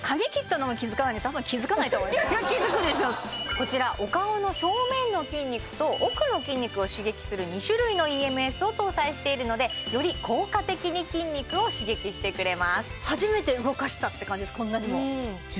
こちらお顔の表面の筋肉と奥の筋肉を刺激する２種類のＥＭＳを搭載しているのでより効果的に筋肉を刺激してくれます